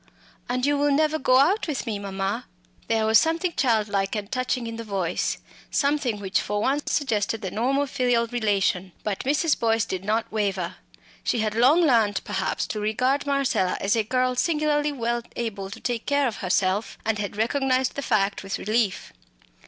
"And you will never go out with me, mamma?" There was something childlike and touching in the voice, something which for once suggested the normal filial relation. But Mrs. Boyce did not waver. She had long learnt perhaps to regard Marcella as a girl singularly well able to take care of herself; and had recognised the fact with relief.